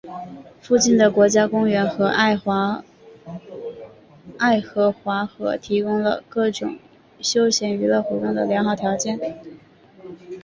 附近的国家公园和爱荷华河提供了各种休闲娱乐活动的良好条件。